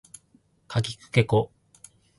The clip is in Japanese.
かきくけこ